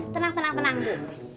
tenang tenang tenang bu